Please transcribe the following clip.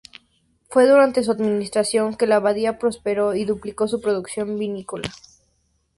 Fue durante su administración que la abadía prosperó y duplicó su producción vinícola.